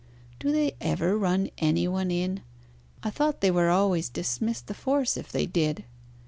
"Do they ever run any one in? I thought they were always dismissed the force if they did."